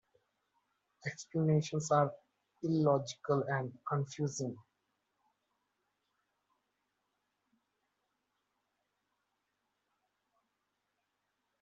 Explanations are illogical and confusing.